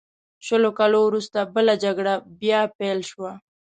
شلو کالو وروسته بله جګړه بیا پیل شوه.